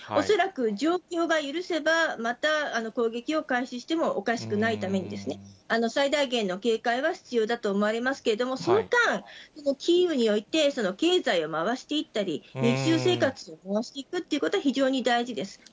恐らく状況が許せば、また攻撃を開始してもおかしくないために、最大限の警戒は必要だと思われますけれども、その間、キーウにおいて経済を回していったり、日常生活を回していくということが非常に大事です。